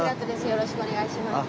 よろしくお願いします。